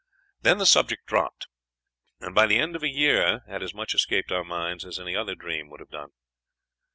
Then the subject dropped, and by the end of a year had as much escaped our minds as any other dream would have done.